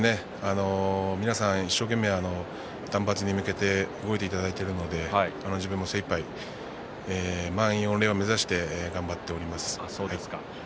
皆さん、一生懸命断髪に向けて動いていただいているので自分も精いっぱい満員御礼を目指して頑張っております。